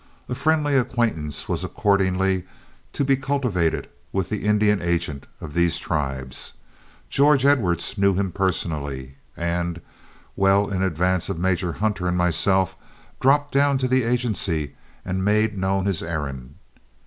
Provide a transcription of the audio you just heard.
A friendly acquaintance was accordingly to be cultivated with the Indian agent of these tribes. George Edwards knew him personally, and, well in advance of Major Hunter and myself, dropped down to the agency and made known his errand.